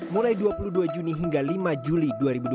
mulai dua puluh dua juni hingga lima juli dua ribu dua puluh